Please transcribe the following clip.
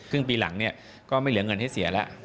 ครึ่งปีหลังก็ไม่เหลือเงินที่เสียแล้ว